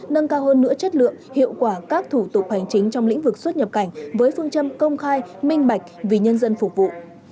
nâng cao hơn nữa chất lượng hiệu quả các thủ tục hành chính trong lĩnh vực xuất nhập cảnh với phương châm công khai minh bạch vì nhân dân phục vụ